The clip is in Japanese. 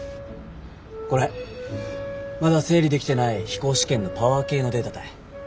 これまだ整理できてない飛行試験のパワー計のデータたい。